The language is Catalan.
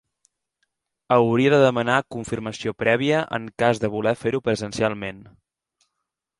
Hauria de demanar confirmació prèvia en cas de voler fer-ho presencialment.